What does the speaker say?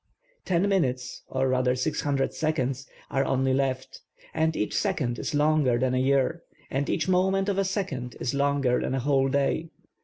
Ten minutes ‚ÄĒ or rather 600 seconds ‚ÄĒ are only left, and each second is longer than a year, and each moment of a second is longer than a whole day.